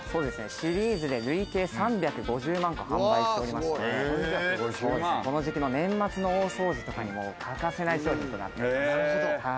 シリーズで累計３５０万個、販売しておりまして、この時期の年末の大掃除とかにも欠かせない商品となっています。